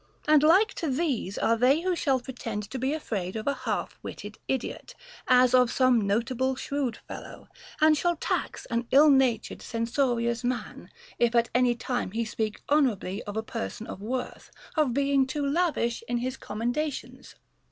And like to these are they who shall pretend to be afraid of a FROM A FRIEND. 127 half witted idiot, as of some notable shrewd fellow ; and shall tax an ill natured censorious man, if at any time he speak honorably of a person of worth, of being too lavish in his commendations.